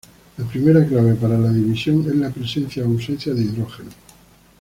La primera clave para la división es la presencia o ausencia de hidrógeno.